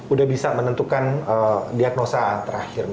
udah bisa menentukan diagnosa terakhir